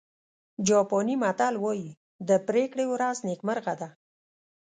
جاپاني متل وایي د پرېکړې ورځ نیکمرغه ده.